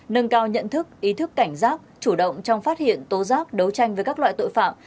nâng cao nhận thức ý thức cảnh giác chủ động trong phát hiện tố giác đấu tranh với các loại tội phạm